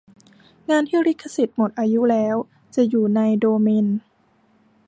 งานที่ลิขสิทธิ์หมดอายุแล้ว จะอยู่ในโดเมน